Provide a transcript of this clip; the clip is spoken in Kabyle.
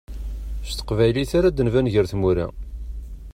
S teqbaylit ara d-nban gar tmura.